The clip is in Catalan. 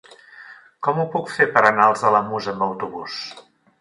Com ho puc fer per anar als Alamús amb autobús?